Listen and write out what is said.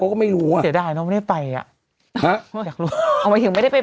ก็ไม่รู้เสียดายเนอะไม่ได้ไปอ่ะอยากรู้เอาหมายถึงไม่ได้ไป